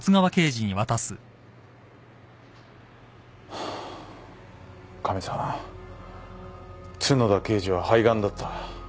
ハァカメさん角田刑事は肺がんだった。